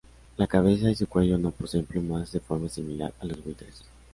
La cabeza y su cuello no poseen plumas, de forma similar a los buitres.